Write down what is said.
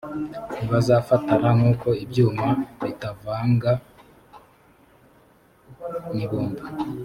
ntibazafatana nk uko ibyuma bitavanga n ibumba